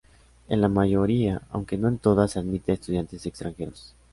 En la mayoría, aunque no en todas, se admite a estudiantes extranjeros.